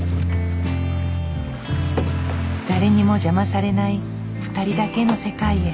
誰にも邪魔されない２人だけの世界へ。